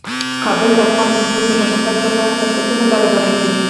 کابل د افغان نجونو د پرمختګ لپاره فرصتونه برابروي.